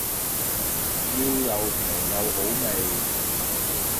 要又平又好味